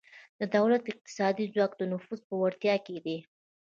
د دولت اقتصادي ځواک د نفوذ په وړتیا کې دی